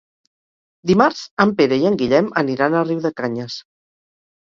Dimarts en Pere i en Guillem aniran a Riudecanyes.